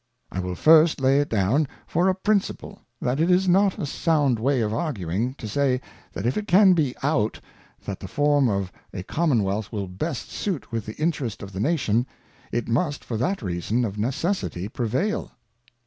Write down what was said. I will first lay it down for a Principle, That it is not a sound way of arguing, to say. That if it can be made out, that the Form of a Commonwealth will best suit with the Interest of the Nation, it must for that reason of necessity prevail.